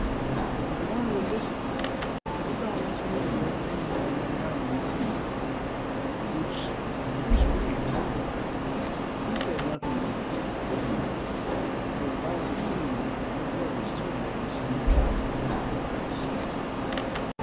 As the Wanderer listened he thought once more of that dream of Meriamun the Queen, which the priest Rei had told him. But he said nothing of it to Helen; for about the Queen and her words to him it seemed wisest not to speak.